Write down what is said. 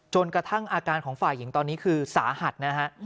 จนกระทั่งอาการของฝ่ายหญิงตอนนี้คือสาหัสนะฮะ